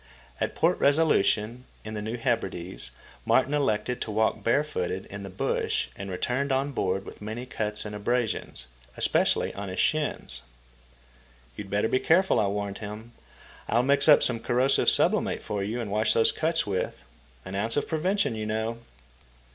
At Port Resolution, in the New Hebrides, Martin elected to walk barefooted in the bush and returned on board with many cuts and abrasions, especially on his shins. "You'd better be careful," I warned him. "I'll mix up some corrosive sublimate for you to wash those cuts with. An ounce of prevention, you know."